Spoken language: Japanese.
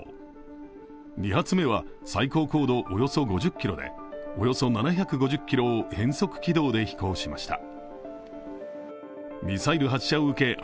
２発目は最高高度およそ５０ｋｍでおよそ７５０ｋｍを変則軌道で飛行しました。